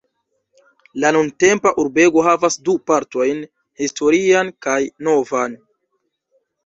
La nuntempa urbego havas du partojn: historian kaj novan.